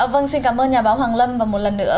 vâng xin cảm ơn nhà báo hoàng lâm và một lần nữa